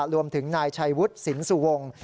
รวมถึงนายชัยวุฒิสินสุวงศ์